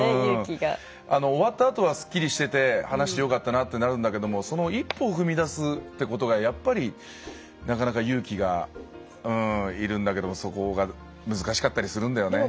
終わったあとはすっきりしてて話してよかったなってなるんだけどその一歩を踏み出すってことがやっぱりなかなか勇気がいるんだけどもそこが難しかったりするんだよね。